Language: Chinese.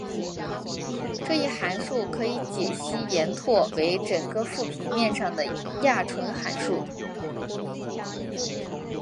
这一函数可以解析延拓为整个复平面上的亚纯函数。